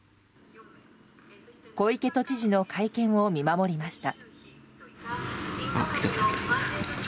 小池都知事の会見を見守りました。